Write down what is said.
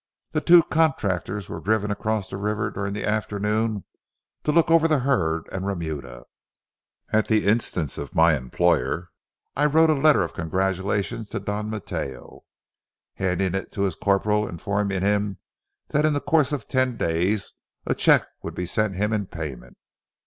The two contractors were driven across the river during the afternoon to look over the herd and remuda. At the instance of my employer, I wrote a letter of congratulation to Don Mateo, handing it to his corporal, informing him that in the course of ten days a check would he sent him in payment.